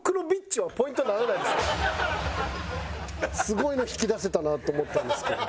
すごいの引き出せたなと思ったんですけど。